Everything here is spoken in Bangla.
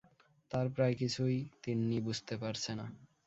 তার প্রায় কিছুই তিন্নি বুঝতে পারছে না।